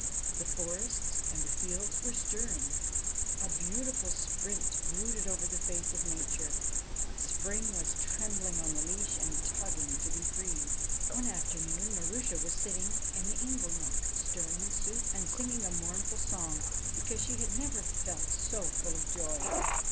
The forests and the fields were stirring. A beautiful spirit brooded over the face of nature; spring was trembling on the leash and tugging to be free. One afternoon Marusha was sitting in the inglenook stirring 4 SNEGOROTCHKA the soup and singing a mournful song, because she had never felt so full of joy.